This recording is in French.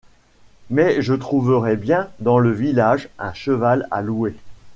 Mais je trouverai bien dans le village un cheval à louer?